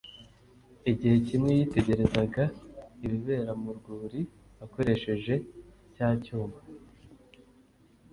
Igihe kimwe yitegerezaga ibibera mu rwuri akoresheje cya cyuma